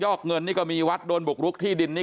เพราะทนายอันนันชายชายเดชาบอกว่าจะเป็นการเอาคืนยังไง